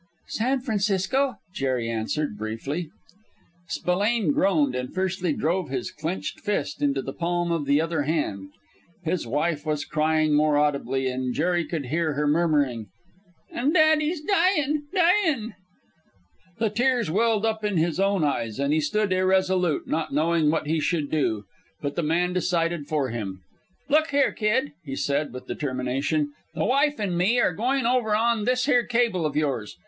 "San Francisco," Jerry answered, briefly. Spillane groaned, and fiercely drove his clenched fist into the palm of the other hand. His wife was crying more audibly, and Jerry could hear her murmuring, "And daddy's dyin', dyin'!" The tears welled up in his own eyes, and he stood irresolute, not knowing what he should do. But the man decided for him. "Look here, kid," he said, with determination, "the wife and me are goin' over on this here cable of yours!